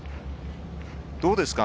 どうですか？